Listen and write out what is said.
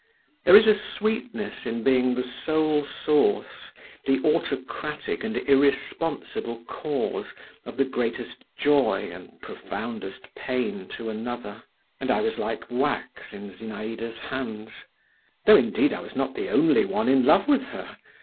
There is a sweetness in being the sole source, the autocratic and irresponsible cause of the greatest joy and profoundest pain to another, and I was like wax in Zinaïda's hands; though, indeed, I was not the only one in love with her.